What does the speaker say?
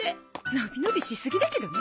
のびのびしすぎだけどね。